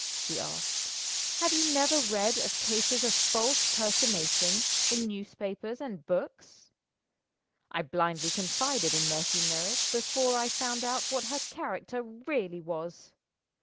she asked. "Have you never read of cases of false personation, in newspapers and books? I blindly confided in Mercy Merrick before I found out what her character really was.